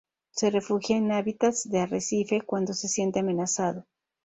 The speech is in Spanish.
Se refugia en hábitats del arrecife cuando se siente amenazado.